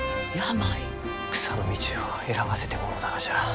草の道を選ばせてもろうたがじゃ。